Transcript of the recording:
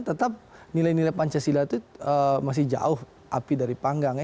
tetap nilai nilai pancasila itu masih jauh api dari panggang